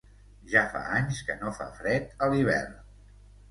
Ja fa anys que no fa fred a l'hivern.